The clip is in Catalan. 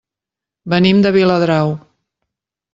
Venim de Viladrau.